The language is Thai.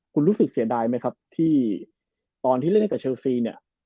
คุณรู้สึกเสียดายไหมครับใต้เล่นให้เชลซี